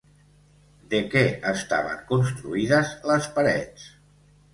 De què estaven construïdes les parets?